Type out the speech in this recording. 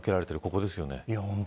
ここですよね。